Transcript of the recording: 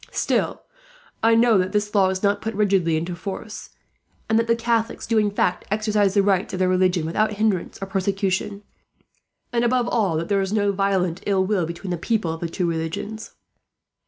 Still, I know that this law is not put rigidly into force, and that the Catholics do, in fact, exercise the rights of their religion without hindrance or persecution; and above all, that there is no violent ill will between the people of the two religions.